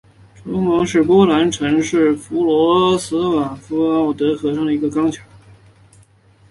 图蒙斯基桥是波兰城市弗罗茨瓦夫市内奥德河上的一座钢桥。